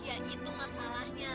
ya itu masalahnya